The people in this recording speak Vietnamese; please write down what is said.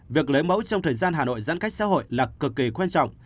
việc lấy mẫu trong thời gian hà nội giãn cách xã hội là cực kỳ quan trọng